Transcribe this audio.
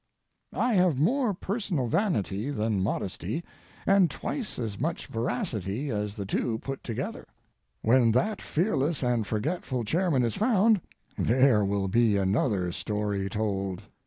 I have more personal vanity than modesty, and twice as much veracity as the two put together. When that fearless and forgetful chairman is found there will be another story told.